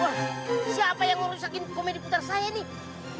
wah siapa yang merusakin komedi putar saya nih